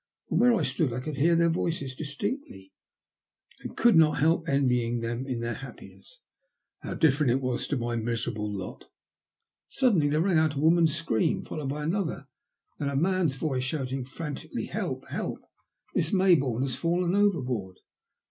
From where I stood I could hear their voices distinctly, and could not help envying them their happiness. How different was it to my miserable lot ! Suddenly there rang out a woman's scream, fol lowed by another, and then a man's voice shouting frantically, "Help, help ! Miss Mayboume has fallen overboard."